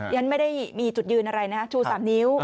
ยังไม่ได้มีจุดยืนอะไรชูสามนิ้ว